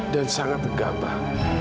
dan sangat bergabah